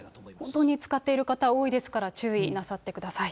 本当に使っている方、多いですから、注意なさってください。